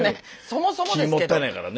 そもそもですけど。